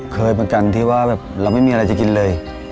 เคยประกันที่ว่าแบบเราไม่มีอะไรจะกินเลย